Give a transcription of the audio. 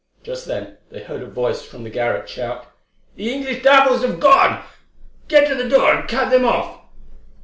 Just then they heard a voice from their garret shout: "The English devils have gone! Get to the door and cut them off."